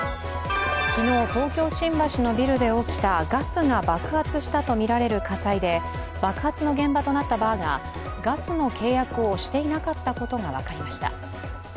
昨日、東京・新橋のビルで起きたガスが爆発したとみられる火災で爆発の現場となったバーがガスの契約をしていなかったことが分かりました。